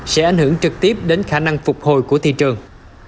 sẽ ảnh hưởng trực tiếp đến khả năng phục hồi của thị trường